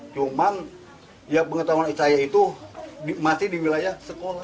cuman ya pengetahuan saya itu masih di wilayah sekolah